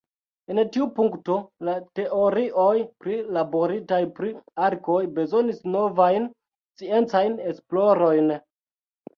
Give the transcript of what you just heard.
En tiu punkto la teorioj prilaboritaj pri arkoj bezonis novajn sciencajn esplorojn.